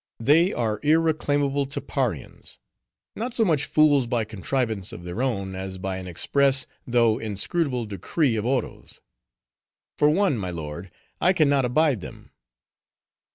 They are irreclaimable Tapparians; not so much fools by contrivance of their own, as by an express, though inscrutable decree of Oro's. For one, my lord, I can not abide them."